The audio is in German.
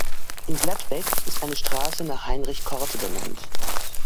In Gladbeck ist eine Straße nach Heinrich Korte benannt.